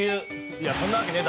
「いやそんなわけねえだろ！」